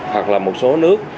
hoặc là một số nước